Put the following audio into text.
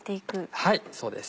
はいそうです。